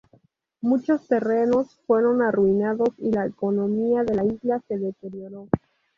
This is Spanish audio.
Muchos terrenos fueron arruinados, y la economía de la isla se deterioró.